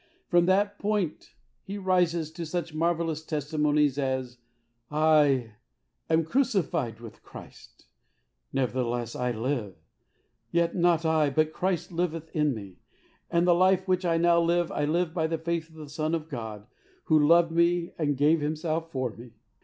From that point he rises to such marvellous testimonies as, "I am crucified with Christ; nevertheless I live, yet not I, but Christ liveth in me, and the life which I now live, I live by the faith of the Son of God, who loved me and gave 46 HEART TALKS ON HOLINESS. Himself for me."